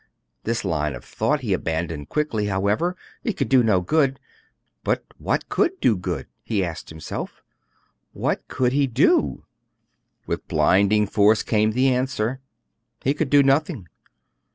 This line of thought he abandoned quickly, however; it could do no good. But what could do good, he asked himself. What could he do? With blinding force came the answer: he could do nothing.